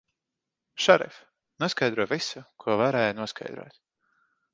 Šerif, noskaidroju visu, ko varēja noskaidrot.